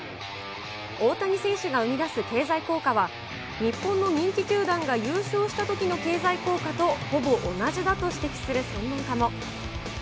大谷選手が生み出す経済効果は、日本の人気球団が優勝したときの経済効果とほぼ同じだと指摘する専門家も。